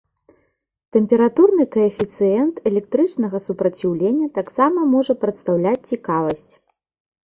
Тэмпературны каэфіцыент электрычнага супраціўлення таксама можа прадстаўляць цікавасць.